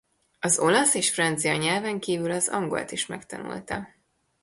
Az olasz és francia nyelven kívül az angolt is megtanulta.